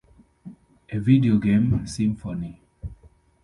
A Video Game Symphony.